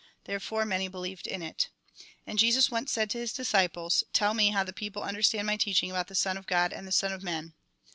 Therefore many believed in it. And Jesus once said to his disciples :" Tell me how the people understand my teaching about the son of God and the son of man."